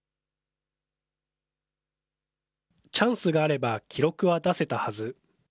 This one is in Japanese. チャンスがあれば、記録は出せたはず。